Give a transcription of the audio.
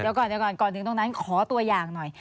เดี๋ยวก่อนก่อนถึงตรงนั้นขอตัวอย่างหน่อย